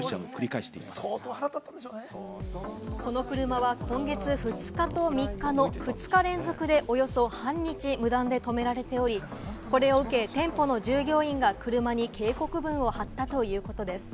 この車は今月２日と３日の２日連続でおよそ半日、無断で止められており、これを受け、店舗の従業員が車に警告文を貼ったということです。